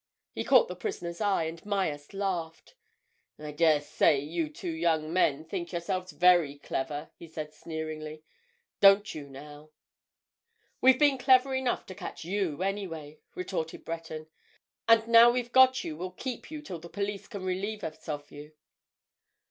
He caught the prisoner's eye, and Myerst laughed. "I daresay you two young men think yourselves very clever," he said sneeringly. "Don't you, now?" "We've been clever enough to catch you, anyway," retorted Breton. "And now we've got you we'll keep you till the police can relieve us of you."